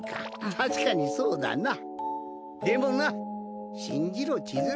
確かにそうだでもな信じろちづる。